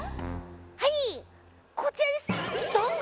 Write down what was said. はいこちらです。